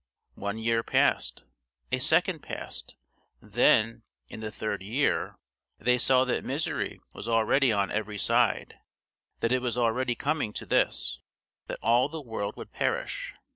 One year passed; a second passed; then, in the third year, they saw that misery was already on every side, that it was already coming to this, that all the world would perish.